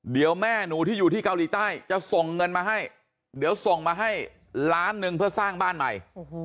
เดี๋ยวแม่หนูที่อยู่ที่เกาหลีใต้จะส่งเงินมาให้เดี๋ยวส่งมาให้ล้านหนึ่งเพื่อสร้างบ้านใหม่